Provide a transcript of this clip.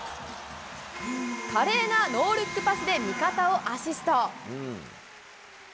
華麗なノールックパスで味方をアシスト。